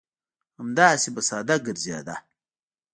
همداسې به ساده ګرځېده.